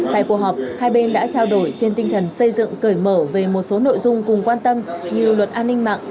tại cuộc họp hai bên đã trao đổi trên tinh thần xây dựng cởi mở về một số nội dung cùng quan tâm như luật an ninh mạng